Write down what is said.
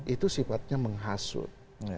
itu sifatnya menghasut